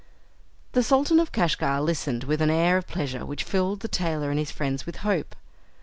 The Sultan of Kashgar listened with an air of pleasure which filled the tailor and his friends with hope.